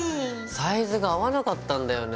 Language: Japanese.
サイズが合わなかったんだよね。